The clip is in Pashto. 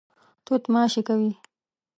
توت ماشې کوي.